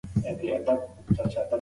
پښتو له پردۍ ژبې څخه روښانه ده.